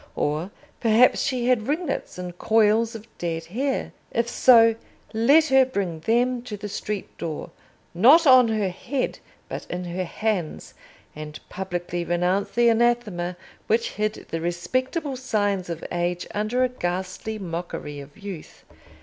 Or, perhaps, she had ringlets and coils of "dead hair?"—if so, let her bring them to the streetdoor, not on her head, but in her hands, and publicly renounce the Anathema which hid the respectable signs of age under a ghastly mockery of youth.